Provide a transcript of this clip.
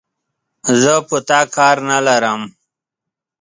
زه په تا کار نه لرم،